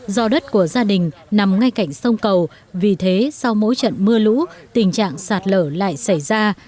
do đất của gia đình nằm ngay cạnh sông cầu vì thế sau mỗi trận mưa lũ tình trạng sạt lở lại xảy ra